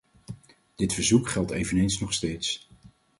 Dit verzoek geldt eveneens nog steeds.